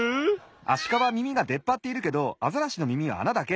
アシカはみみがでっぱっているけどアザラシのみみはあなだけ。